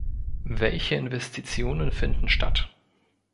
Welche Investitionen finden statt?